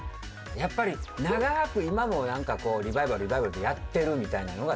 やっぱり長く今もなんかこうリバイバルリバイバルでやってるみたいなのが長い。